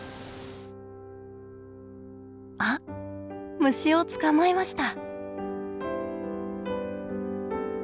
あっ虫を捕まえました！